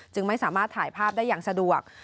ไม่สามารถถ่ายภาพได้อย่างสะดวก